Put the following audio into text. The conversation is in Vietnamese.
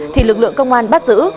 thì lực lượng công an bắt giữ